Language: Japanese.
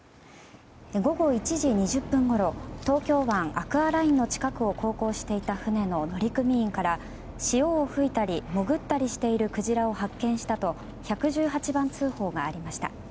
アクアラインの近くを航行していた船の乗組員から潮を吹いたり潜ったりしているクジラを発見したと１１８番通報がありました。